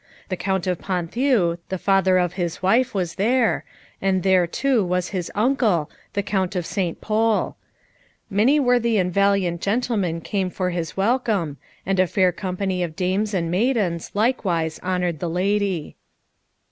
The Count of Ponthieu, the father of his wife was there, and there, too, was his uncle the Count of St. Pol. Many worthy and valiant gentlemen came for his welcome, and a fair company of dames and maidens likewise honoured the lady.